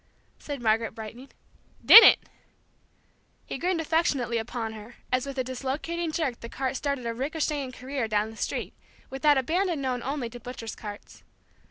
said Margaret, brightening. "Didn't!" He grinned affectionately upon her as with a dislocating jerk the cart started a ricochetting career down the street, with that abandon known only to butchers' carts.